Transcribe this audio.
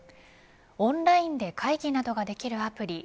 オンラインで会議などができるアプリ。